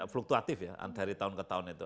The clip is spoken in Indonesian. fluktuatif ya dari tahun ke tahun itu